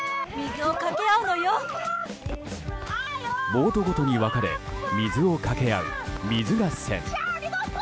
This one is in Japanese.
ボートごとに分かれ水をかけ合う水合戦。